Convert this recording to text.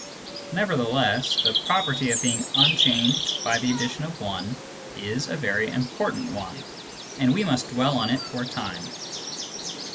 Nevertheless, the property of being unchanged by the addition of 1 is a very important one, and we must dwell on it for a time.